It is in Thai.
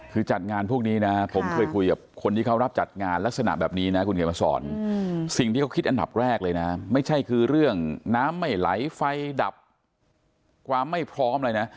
สิ่งที่เขาคิดอันดับแรกเลยนะไม่ใช่คือเรื่องน้ำไม่ไหลไฟดับความไม่พร้อมอะไรนะ